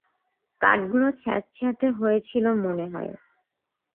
কাঠগুলো স্যাঁতসেঁতে হয়ে ছিল মনেহয়।